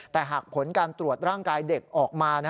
แต่หากผลการตรวจร่างกายเด็กออกมา